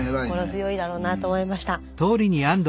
心強いだろうなと思いました。